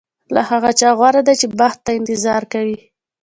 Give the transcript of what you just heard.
له هغه چا غوره دی چې بخت ته انتظار کوي.